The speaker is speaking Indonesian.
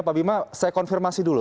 pak bima saya konfirmasi dulu